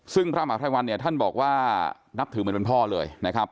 ซึ่งพระมหาภัยวันเนี่ยท่านบอกว่านับถือเหมือนเป็นพ่อเลยนะครับ